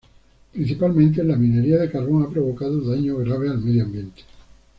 Principalmente en la minería de carbón ha provocado daños graves al medio ambiente.